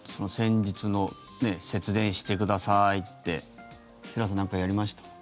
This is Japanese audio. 先日の節電してくださいって北原さん何かやりました？